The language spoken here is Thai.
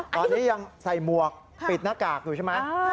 ตอนนี้ยังใส่หมวกปิดหน้ากากอยู่ใช่ไหม